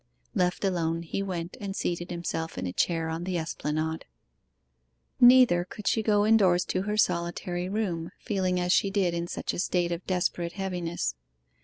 Left alone, he went and seated himself in a chair on the Esplanade. Neither could she go indoors to her solitary room, feeling as she did in such a state of desperate heaviness.